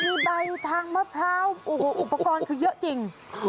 มีใบทางมะพร้าวโอ้โหอุปกรณ์คือเยอะจริง